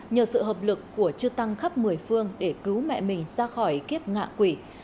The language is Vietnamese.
nhờ sự hợp lực của chư tăng khắp một mươi phương để cứu mẹ mình ra khỏi kiếp ngạ quỷ